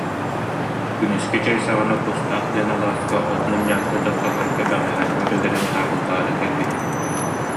Күнүскү чэй саҕана Кустаах диэн алааска от мунньааччы дьахталларга бэҕэһээҥҥи үлэлэрин таабыллаары кэлбитим